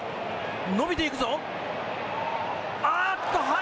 のびていくぞ。